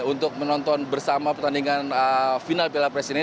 untuk menonton bersama pertandingan final piala presiden ini